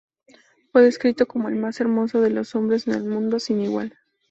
Fue descrito como el más hermoso de los hombres en el mundo, sin igual.